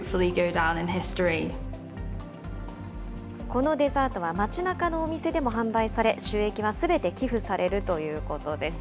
このデザートは町なかのお店でも販売され、収益はすべて寄付されるということです。